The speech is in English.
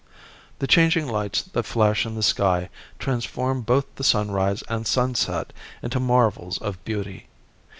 The changing lights that flash in the sky transform both the sunrise and sunset into marvels of beauty.